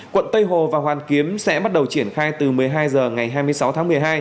quận tây hồ và hoàn kiếm sẽ bắt đầu triển khai từ một mươi hai h ngày hai mươi sáu tháng một mươi hai